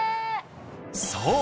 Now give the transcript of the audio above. そう。